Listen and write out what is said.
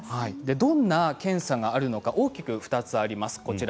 どんな検査があるのか大きく２つあります。